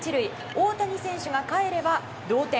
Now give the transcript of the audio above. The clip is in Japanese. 大谷選手がかえれば同点。